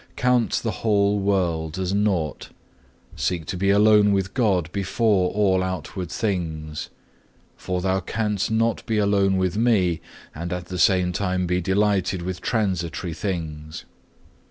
Count the whole world as nought; seek to be alone with God before all outward things. For thou canst not be alone with Me, and at the same time be delighted with transitory things.